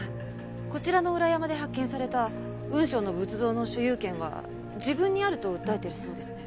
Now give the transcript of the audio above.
こちらの裏山で発見された雲尚の仏像の所有権は自分にあると訴えてるそうですね。